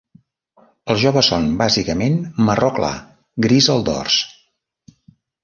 Els joves són bàsicament marró clar, gris al dors.